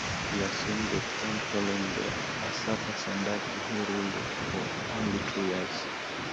He assumed the throne following the usurper Sandaki, who ruled for only two years.